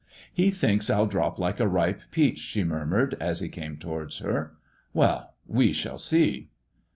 "He thinks I'll drop like a ripe pea«h," she murmured, 1 he came towards her. " Well, we shall see."